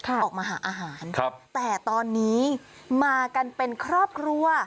ออกมาหาอาหารครับแต่ตอนนี้มากันเป็นครอบครัว